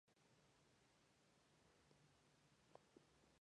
Un campesino de la isla encuentra sus ovejas muertas.